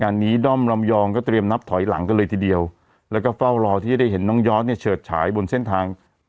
งานนี้ด้อมลำยองก็เตรียมนับถอยหลังกันเลยทีเดียวแล้วก็เฝ้ารอที่จะได้เห็นน้องยอดเนี่ยเฉิดฉายบนเส้นทาง